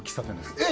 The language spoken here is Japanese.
えっ